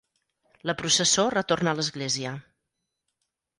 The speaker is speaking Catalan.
La processó retorna a l'església.